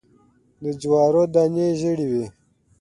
د جوارو دانی ژیړې وي